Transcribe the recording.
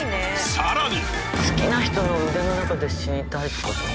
さらに。